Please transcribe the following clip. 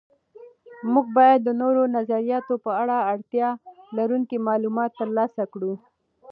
موږ باید د نورو نظریاتو په اړه اړتیا لرونکي معلومات تر لاسه کړو.